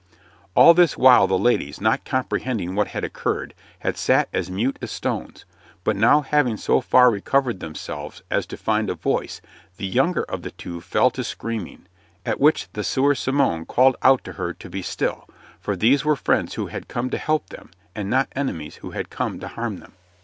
All this while the ladies, not comprehending what had occurred, had sat as mute as stones; but now having so far recovered themselves as to find a voice, the younger of the two fell to screaming, at which the Sieur Simon called out to her to be still, for these were friends who had come to help them, and not enemies who had come to harm them.